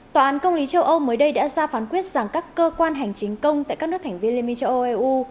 tòa án công lý châu âu mới đây đã ra phán quyết rằng các cơ quan hành chính công tại các nước thành viên liên minh châu âu eu